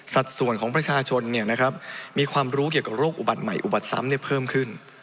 ส่วนของประชาชนมีความรู้เกี่ยวกับโรคอุบัติใหม่อุบัติซ้ำเพิ่มขึ้น